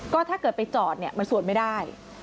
ก็ถ้าเกิดไปจอดเนี่ยมันสวดไม่ได้